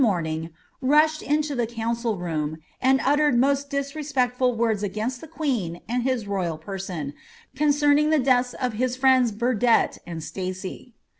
237 nislied into the council room, and uttered moet disrespectful woids aigainst the queen and his royal person, concerning the deaths of his friends Burdett and Stacy.